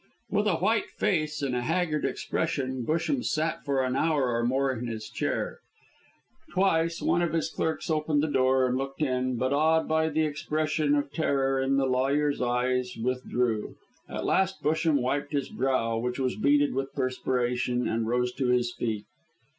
With a white face and a haggard expression, Busham sat for an hour or more in his chair. Twice one of his clerks opened the door and looked in, but awed by the expression of terror in the lawyer's eyes, withdrew. At last Busham wiped his brow, which was beaded with perspiration, and rose to his feet.